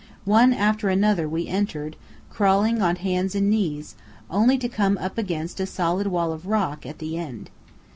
One after another we entered, crawling on hands and knees, only to come up against a solid wall of rock at the end.